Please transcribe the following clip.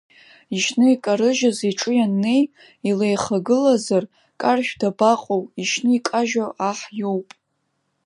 Ишьны икарыжьыз иҿы ианнеи, илеихагылазар, Каршә дабаҟоу, ишьны икажьу аҳ иоуп.